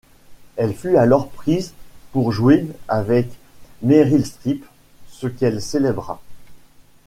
Elle fut alors prise pour jouer avec Meryl Streep, ce qu'elle célébra.